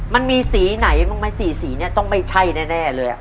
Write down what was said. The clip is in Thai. มันมีสีไหนบ้างไหม๔สีเนี่ยต้องไม่ใช่แน่เลย